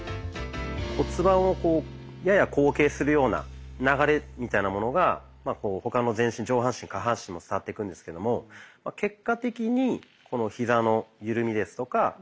骨盤をやや後傾するような流れみたいなものが他の全身上半身下半身も伝わっていくんですけども結果的にヒザの緩みですとかかかとがよく踏めるような流れ。